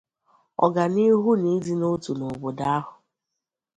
ọganihu na ịdịnotu n'obodo ahụ